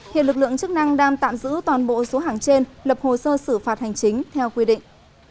hiện lực lượng chức năng đang tạm giữ toàn bộ số hàng trên lập hồ sơ xử phạt hành chính theo quy định